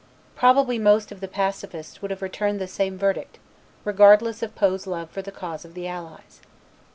Probably most of the pacifists would have returned the same verdict regardless of Poe's love for the cause of the Allies.